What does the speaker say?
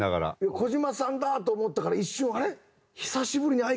児嶋さんだと思ったから一瞬あれ？